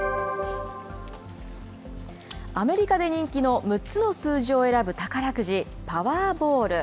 アメリカで人気の６つの数字を選ぶ宝くじ、パワーボール。